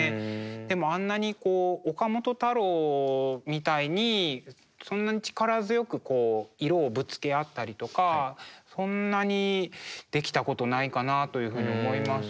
でもあんなにこう岡本太郎みたいにそんなに力強くこう色をぶつけ合ったりとかそんなにできたことないかなというふうに思います。